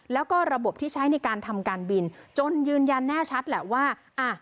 แล้วก็ระบบที่ใช้ในการทำการบินจนยืนยันแน่ชัดแหละว่าอ่ะ